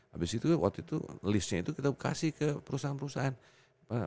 habis itu waktu itu listnya itu kita kasih ke perusahaan perusahaan